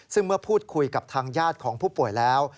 ซึ่งเมื่อพูดคุยกับทางญาติของผู้ป่วยแล้ว